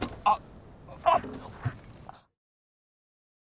あっ！